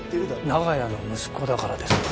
長屋の息子だからですか？